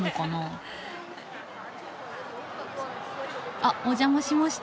あっお邪魔しました。